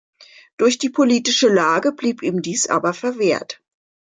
Durch die politische Lage blieb ihm dies aber verwehrt.